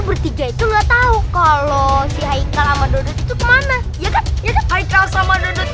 bertiga itu enggak tahu kalau si hai kalama dode itu kemana